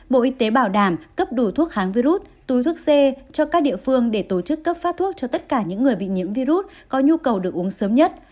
bộ y tế bảo đảm cấp đủ thuốc kháng virus túi thuốc c cho các địa phương để tổ chức cấp phát thuốc cho tất cả những người bị nhiễm virus có nhu cầu được uống sớm nhất